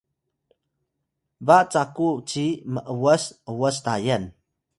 ba caku ci m’was ’was Tayal